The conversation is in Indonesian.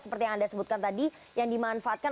seperti yang anda sebutkan tadi yang dimanfaatkan